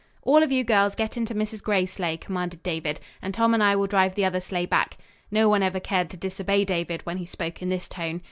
"All of you girls get into Mrs. Gray's sleigh," commanded David, "and Tom and I will drive the other sleigh back." No one ever cared to disobey David when he spoke in this tone.